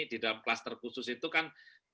di dalam kluster khusus itu kan